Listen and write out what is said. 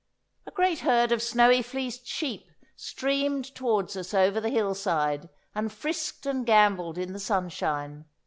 A great herd of snowy fleeced sheep streamed towards us over the hillside and frisked and gambolled in the sunshine.